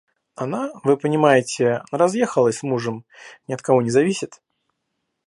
Она, вы понимаете, разъехалась с мужем, ни от кого не зависит.